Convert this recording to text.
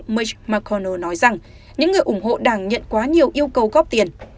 mitch mcconnell nói rằng những người ủng hộ đảng nhận quá nhiều yêu cầu góp tiền